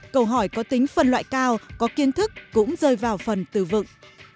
câu hỏi có tính phân loại cao có kiến thức cũng rơi vào phần từ vựng